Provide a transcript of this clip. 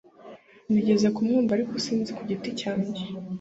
Nigeze kumwumva, ariko sinzi ku giti cyanjye